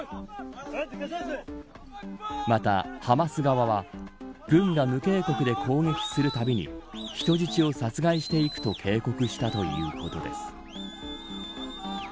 また、ハマス側は軍が無警告で攻撃するたびに人質を殺害していくと警告したということです。